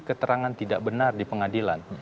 keterangan tidak benar di pengadilan